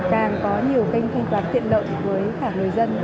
càng có nhiều kênh thanh toán tiện lợi với cả người dân